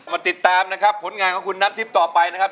มาติดตามนะครับผลงานของคุณน้ำทิพย์ต่อไปนะครับ